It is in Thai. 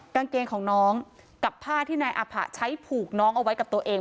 กางเกงของน้องกับผ้าที่นายอภะใช้ผูกน้องเอาไว้กับตัวเอง